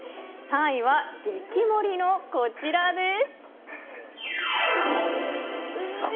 ３位は激盛りのこちらです。